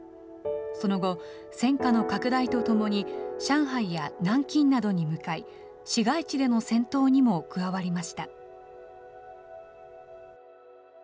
その後、戦火の拡大とともに、上海や南京などに向かい、市街地での戦闘にも加わりました。